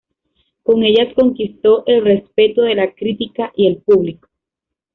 Con ellas conquistó el respeto de la crítica y el público.